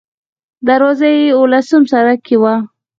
دروازه یې اوولسم سړک کې وه.